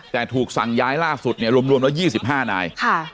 แต่ถูกสั่งย้ายล่าสุดเนี่ยรวมแล้ว๒๕นาย